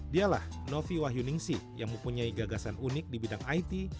dialah novi wahyuningsi yang mempunyai gagasan unik di bidang it